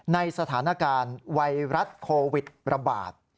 ในสถานการณ์ไวรัสโควิดระบาด